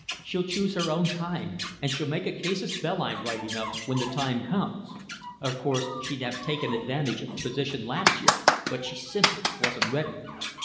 She'll choose her own time, and she'll make a casus belli, right enough, when the time comes. Of course, she'd have taken advantage of the position last year, but she simply wasn't ready.